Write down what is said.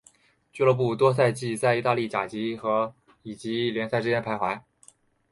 俱乐部多数赛季在意大利甲级和乙级联赛之间徘徊。